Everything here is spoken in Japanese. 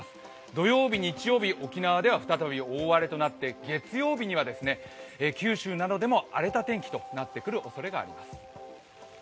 土曜日、日曜日、沖縄では再び大雨となって月曜日は九州などでも荒れた天気となってくるおそれがあります。